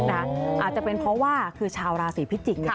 อาจจะเป็นเพราะว่าคือชาวราศีพิจิกษ์